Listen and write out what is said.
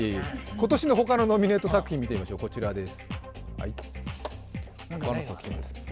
今年の他のノミネート作品、見てみましょう、こちらです。